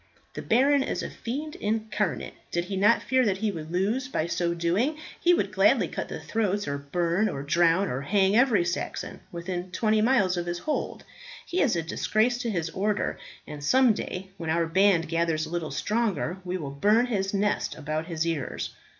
The baron is a fiend incarnate; did he not fear that he would lose by so doing, he would gladly cut the throats, or burn, or drown, or hang every Saxon within twenty miles of his hold. He is a disgrace to his order, and some day when our band gathers a little stronger, we will burn his nest about his ears."